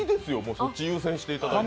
そっち優先していた田いて。